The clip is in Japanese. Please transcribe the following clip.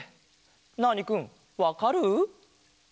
ナーニくんわかる？